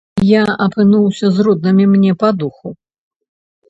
Я апынуўся з роднымі мне па духу.